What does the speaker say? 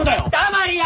黙りや！